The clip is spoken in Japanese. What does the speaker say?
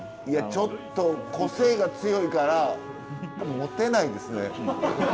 いやちょっと個性が強いからモテないですね。